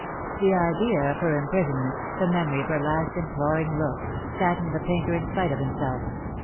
The idea of her imprisonment, the memory of her last im ploring look, saddened the painter in spite of himself.